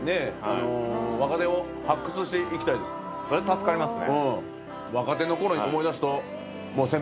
それ助かりますね。